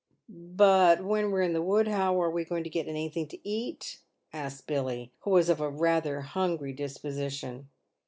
" But when we're in the wood, how are we to get anything to eat ?" asked Billy, who was of rather a hungry disposition.